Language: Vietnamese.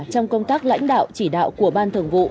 trong công tác lãnh đạo chỉ đạo của ban thường vụ